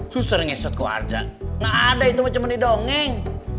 suster ngesot keluarga gak ada itu macam ini dongeng